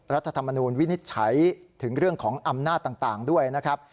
รัฐธรรมนูลวินิจฉัยถึงเรื่องของอำนาจต่างด้วยนะครับ